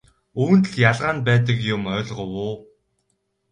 Үүнд л ялгаа нь байдаг юм ойлгов уу?